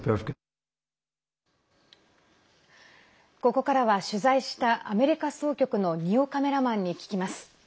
ここからは取材したアメリカ総局の丹尾カメラマンに聞きます。